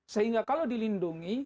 sehingga kalau dilindungi